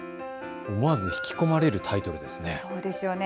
思わず引き込まれるタイトルですね。